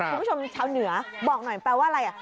คุณผู้ชมชาวเหนือบอกหน่อยแปลว่าอะไรอ่ะ